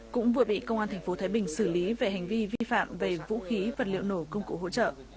cũng vừa bị công an tp thái bình xử lý về hành vi vi phạm về vũ khí vật liệu nổ công cụ hỗ trợ